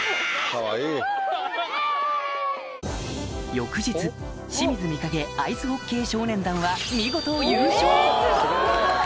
翌日清水御影アイスホッケー少年団はすごい！